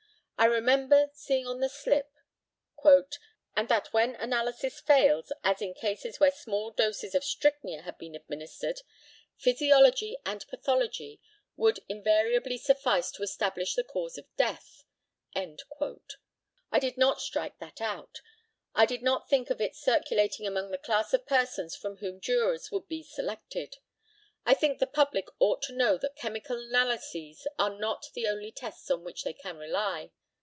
I remember seeing on the slip, "And that when analysis fails, as in cases where small doses of strychnia had been administered, physiology and pathology would invariably suffice to establish the cause of death." I did not strike that out. I did not think of it circulating among the class of persons from whom jurors would be selected. I think the public ought to know that chemical analyses are not the only tests on which they can rely.